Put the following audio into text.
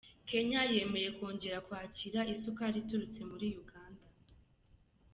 Kenya yemeye kongera kwakira isukari iturutse muri Uganda.